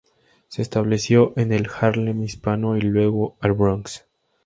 Se estableció en el Harlem Hispano, y luego al Bronx.